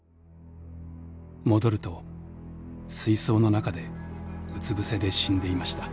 戻ると水槽の中でうつ伏せで死んでいました」。